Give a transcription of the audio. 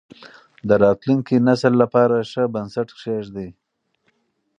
د راتلونکي نسل لپاره ښه بنسټ کېږدئ.